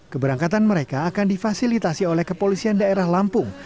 keberangkatan mereka akan difasilitasi oleh kepolisian daerah lampung